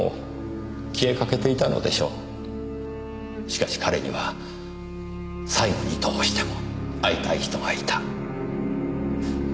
しかし彼には最期にどうしても会いたい人がいた。